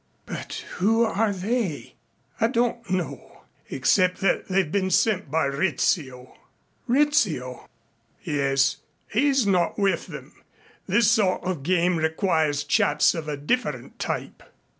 "But who are they?" "I don't know. Except that they've been sent by Rizzio." "Rizzio!" "Yes. He's not with them. This sort of game requires chaps of a different type."